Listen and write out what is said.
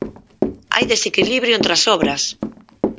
Hai desequilibrio entre as obras.